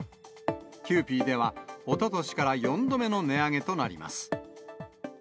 キユーピーでは、おととしから４度目の値上げとなります。